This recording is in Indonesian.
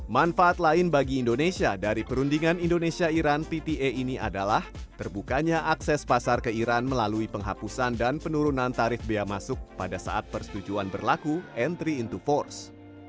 manfaat lain bagi indonesia dari perundingan indonesia iran pta ini adalah terbukanya akses pasar ke iran melalui penghapusan dan penurunan tarif bea masuk pada saat persetujuan berlaku entry in to force